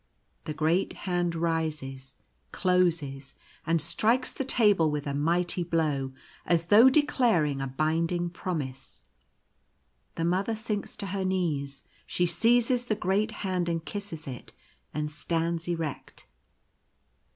The great hand rises, closes, and strikes the table with a mighty blow, as though declaring a binding promise. The Mother sinks to her knees, — she seizes the great hand and kisses it, and stands erect.